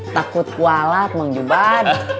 takut kualat mang jumat